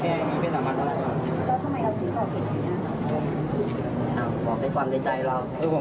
จริงหรือว่าเจตนาเราไม่ได้ถึงครับ